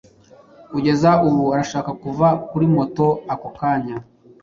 Kugeza ubu arashaka Kuva kuri muto ako kanya